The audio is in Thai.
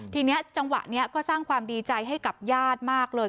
ทีนี้จังหวะนี้ก็สร้างความดีใจให้กับญาติมากเลย